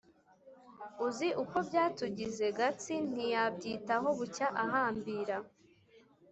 uzi uko byatugize!" Gatsi ntiyabyitaho bucya ahambira